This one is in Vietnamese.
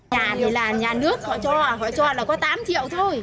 nhà thì là nhà nước họ cho là họ cho là có tám triệu thôi